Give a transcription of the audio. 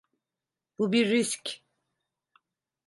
Bu bir risk.